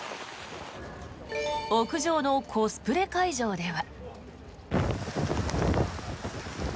屋上のコスプレ会場では。